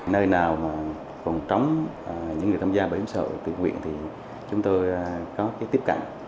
nơi nào mà phòng chống những người tham gia bảo hiểm xã hội tự nguyện thì chúng tôi có cái tiếp cận